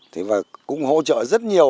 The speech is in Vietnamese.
thế và cũng hỗ trợ rất nhiều